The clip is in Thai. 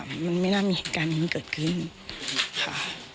มันไม่น่ามีเหตุการณ์นี้เกิดขึ้นค่ะ